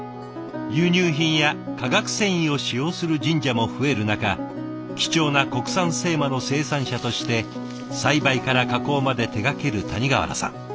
輸入品や化学繊維を使用する神社も増える中貴重な国産精麻の生産者として栽培から加工まで手がける谷川原さん。